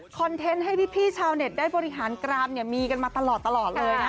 เทนต์ให้พี่ชาวเน็ตได้บริหารกรามเนี่ยมีกันมาตลอดเลยนะ